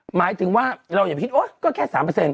หมายถึงว่าเราอย่าคิดโอ๊ยก็แค่๓